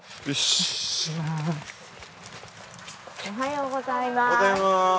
おはようございます。